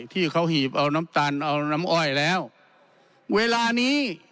ที่เขาหีบเอาน้ำตาลเอาน้ำอ้อยแล้วเวลานี้